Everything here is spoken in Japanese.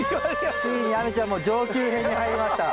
ついに亜美ちゃんも上級編に入りました。